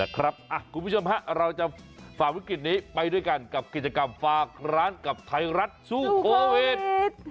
คุณผู้ชมฮะเราจะฝ่าวิกฤตนี้ไปด้วยกันกับกิจกรรมฝากร้านกับไทยรัฐสู้โควิด